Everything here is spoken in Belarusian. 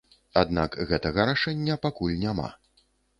Аднак гэтага рашэння пакуль няма.